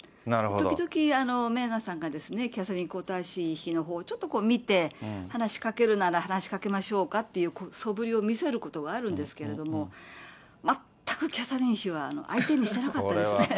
時々、メーガンさんが、キャサリン皇太子妃のほうをちょっと見て、話しかけるなら話しかけましょうかっていうそぶりを見せることがあるんですけれども、全くキャサリン妃は相手にしてなかったです